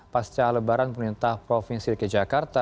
pasca lebaran penyintah provinsi riki jakarta